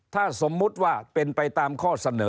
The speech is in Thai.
ถ้าสมมุติว่าเป็นไปตามข้อเสนอ